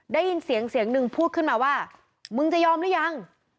ได้ยินเสียงเสียงหนึ่งพูดขึ้นมาว่ามึงจะยอมหรือยัง